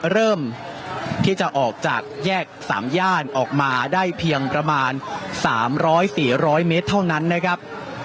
เริ่มที่จะออกจากแยก๓ย่านออกมาได้เพียงประมาณ๓๐๐๔๐๐เมตรเท่านั้นนะครับ